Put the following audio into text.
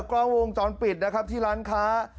กล้องวงจรปิดนะครับที่ร้านค้า